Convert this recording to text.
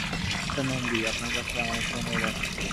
Mister Nandi, আপনার কাছে আমার একটা অনুরোধ আছে।